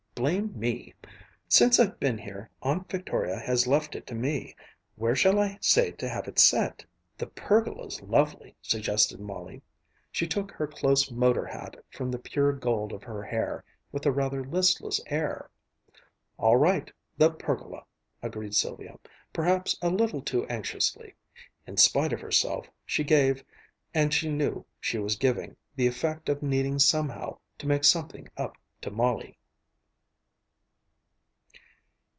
Blame me! Since I've been here, Aunt Victoria has left it to me where shall I say to have it set?" "The pergola's lovely," suggested Molly. She took her close motor hat from the pure gold of her hair with a rather listless air. "All right the pergola!" agreed Sylvia, perhaps a little too anxiously. In spite of herself, she gave, and she knew she was giving, the effect of needing somehow to make something up to Molly....